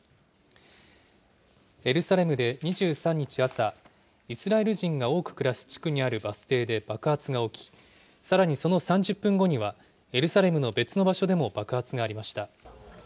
エルサレムで２３日朝、イスラエル人が多く暮らす地区にあるバス停で爆発が起き、さらにその３０分後には、エルサレムの別の場所でも爆発がありました。